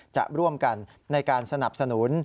จะร่วมกันในการสนับสนุน